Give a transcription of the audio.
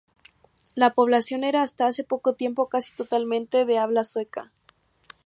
La población era, hasta hace poco tiempo, casi totalmente de habla sueca.